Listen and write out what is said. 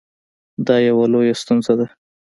دا یوه لویه ستونزه ده